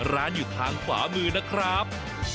ร้านอยู่ทางขวามือนะครับ